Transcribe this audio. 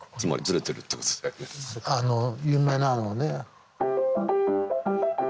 あの有名なのはね。